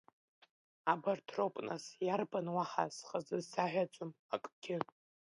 Абарҭ роуп, нас, иарбан уаҳа, схазы саҳәаӡом акгьы.